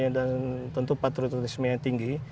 dan tentu patriotisme yang tinggi